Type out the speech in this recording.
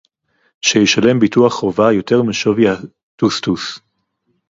שישלם ביטוח חובה יותר משווי הטוסטוס